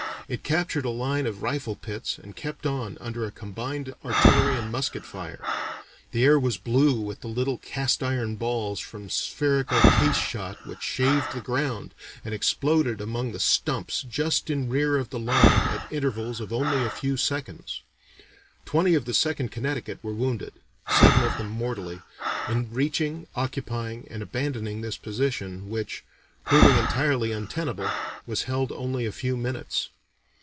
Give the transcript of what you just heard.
It captured a line of rifle pits and kept on "under a combined artillery and musket fire. The air was blue with the little cast iron balls from spherical case shot which shaved the ground and exploded among the stumps just in rear of the line at intervals of only a few seconds. Twenty of the Second Connecticut were wounded seven of them mortally in reaching, occupying, and abandoning this position, which, proving entirely untenable, was held only a few minutes.